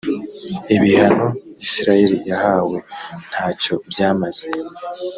ibihano isirayeli yahawe nta cyo byamaze